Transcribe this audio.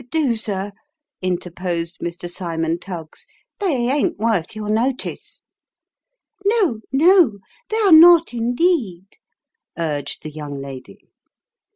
" Do, sir," interposed Mr. Cymon Tuggs. " They ain't worth your notice." " No no they are not, indeed," urged the young lady.